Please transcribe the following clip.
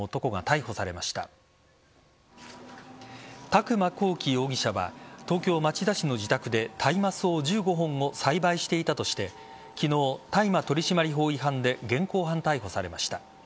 宅間孔貴容疑者は東京・町田市の自宅で大麻草１５本を栽培していたとして昨日、大麻取締法違反で現行犯逮捕されました。